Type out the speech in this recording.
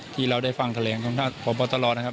ที่เราได้ฟังแถลงของท่านพบตรนะครับ